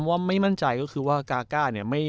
ว่าไม่มั่นใจก็คือว่ากาก้าเนี่ย